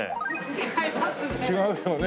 違いますね。